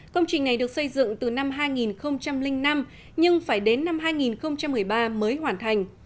công trình này được xây dựng từ năm hai nghìn năm nhưng phải đến năm hai nghìn một mươi ba mới hoàn thành